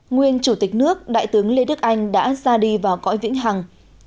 nguyên chủ tịch nước đại tướng lê đức anh đã ra đi vào cõi vĩnh hằng